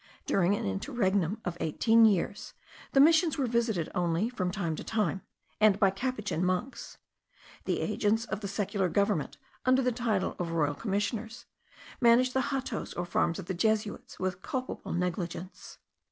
During an interregnum of eighteen years, the missions were visited only from time to time, and by Capuchin monks. The agents of the secular government, under the title of Royal Commissioners, managed the hatos or farms of the Jesuits with culpable negligence.